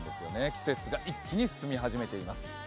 季節が一気に進み始めています。